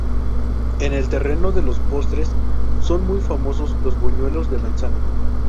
En el terreno de los postres son muy famosos los buñuelos de manzana.